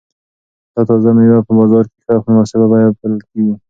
دا تازه مېوې په بازار کې په مناسبه بیه پلورل کیږي.